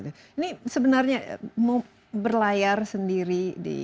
ini sebenarnya berlayar sendiri